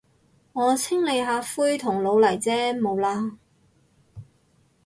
我清理下灰同老泥啫，冇喇。